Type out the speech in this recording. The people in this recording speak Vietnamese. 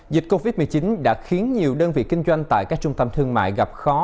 dịch covid một mươi chín đã khiến nhiều đơn vị kinh doanh tại các trung tâm thương mại gặp khó